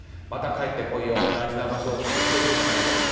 また帰って来いよ大事な場所を潰してるんじゃないよ。